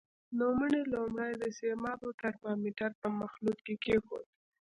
نوموړی لومړی د سیمابو ترمامتر په مخلوط کې کېښود.